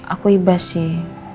aku ibas sih